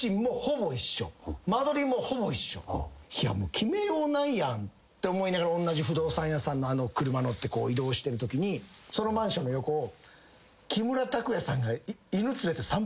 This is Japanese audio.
決めようないやんって思いながら同じ不動産屋さんの車乗って移動してるときにそのマンションの横を。